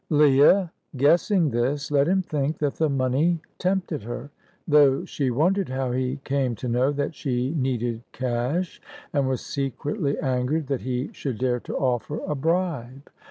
Leah, guessing this, let him think that the money tempted her, though she wondered how he came to know that she needed cash, and was secretly angered that he should dare to offer a bribe.